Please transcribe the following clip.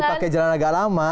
dipakai jalan agak lama